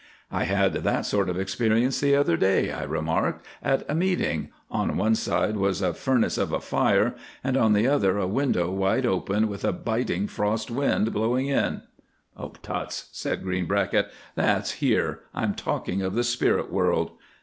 "I had that sort of experience the other day," I remarked, "at a meeting. On one side was a furnace of a fire and on the other a window wide open with a biting frost wind blowing in." "Tuts," said Greenbracket "that's here; I am talking of the spirit world."